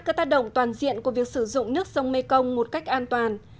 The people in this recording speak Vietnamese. các tác động toàn diện của việc sử dụng nước sông mekong một cách an toàn